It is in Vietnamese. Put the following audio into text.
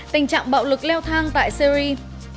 tình trạng bạo lực leo thang tại syria